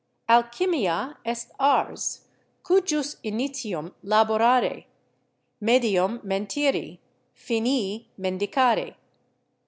"Alchimia est ars, cujus initium la borare, medium mentiri, finis mendicare."